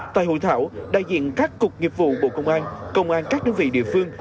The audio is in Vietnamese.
tại hội thảo đại diện các cục nghiệp vụ bộ công an công an các đơn vị địa phương